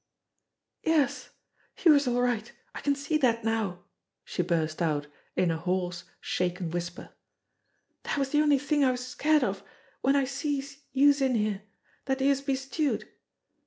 "Yes, youse're all right, I can see dat now," she burst out in a hoarse, shaken whisper. "Dat was de only thing I was scared of w'en I sees youse in here dat youse'd be stewed.